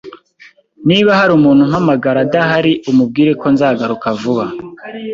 Niba hari umuntu umpamagara adahari, umubwire ko nzagaruka vuba.